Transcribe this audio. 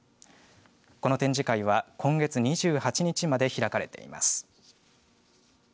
この展示会は今月２８日まで開かれています。